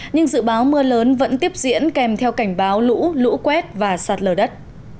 nhưng dự báo mưa lớn vẫn tiếp diễn kèm theo cảnh báo lũ lũ quét và sạt lở đất